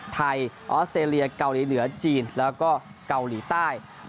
ออสเตรเลียเกาหลีเหนือจีนแล้วก็เกาหลีใต้